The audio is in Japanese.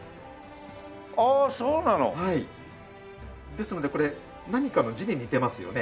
ですのでこれ何かの字に似てますよね？